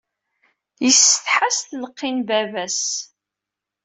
Yessetḥa s tleqqi n baba-s.